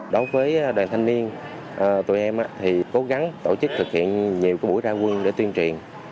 đối với đoàn thanh niên tụi em thì cố gắng tổ chức thực hiện nhiều buổi ra quân để tuyên truyền